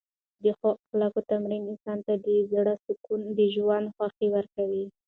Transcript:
د ښو اخلاقو تمرین انسان ته د زړه سکون او د ژوند خوښۍ ورکوي.